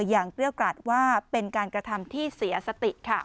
อย่างเรียกราศว่าเป็นการกระทำที่เสียสติค่ะ